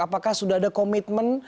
apakah sudah ada komitmen